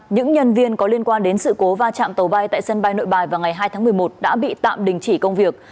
những nhân viên có liên quan đến sự cố va chạm tàu bay tại sân bay nội bài vào ngày hai tháng một mươi một đã bị tạm đình chỉ công việc